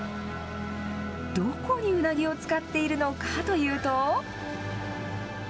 どこにウナギを使っているのかというと。